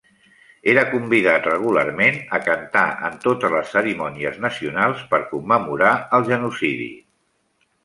Era convidat regularment a cantar en totes les cerimònies nacionals per commemorar el genocidi.